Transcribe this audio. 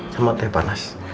sama teh panas